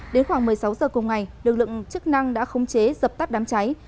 đến khoảng một mươi sáu giờ cùng ngày lực lượng chức năng đã khống chế dập tắt đám cháy